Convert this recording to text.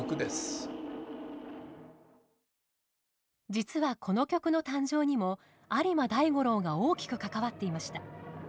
実はこの曲の誕生にも有馬大五郎が大きく関わっていました。